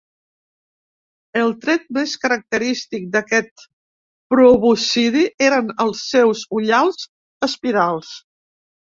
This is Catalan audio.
El tret més característic d'aquest proboscidi eren els seus ullals espirals.